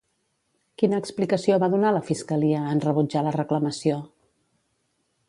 Quina explicació va donar, la Fiscalia, en rebutjar la reclamació?